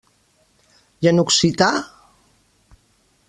I en occità?